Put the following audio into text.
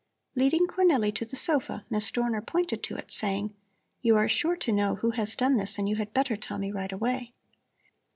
Leading Cornelli to the sofa, Miss Dorner pointed to it, saying: "You are sure to know who has done this and you had better tell me right away."